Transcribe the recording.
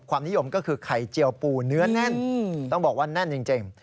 นิยมก็คือไข่เจียวปูเนื้อแน่นต้องบอกว่าแน่นจริง